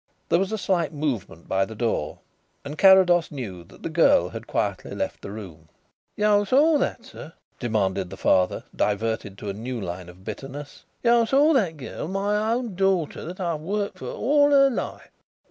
There was a slight movement by the door and Carrados knew that the girl had quietly left the room. "You saw that, sir?" demanded the father, diverted to a new line of bitterness. "You saw that girl my own daughter, that I've worked for all her life?"